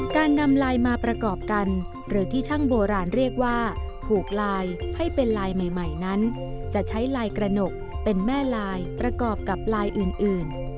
การนำลายมาประกอบกันหรือที่ช่างโบราณเรียกว่าผูกลายให้เป็นลายใหม่นั้นจะใช้ลายกระหนกเป็นแม่ลายประกอบกับลายอื่น